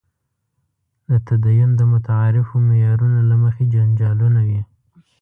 د تدین د متعارفو معیارونو له مخې جنجالونه وي.